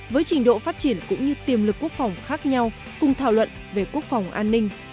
với trình độ phát triển cũng như tiềm lực quốc phòng khác nhau cùng thảo luận về quốc phòng an ninh